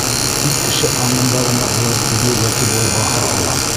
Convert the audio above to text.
Тик кеше аңында ғына улар теге йәки был баһа ала.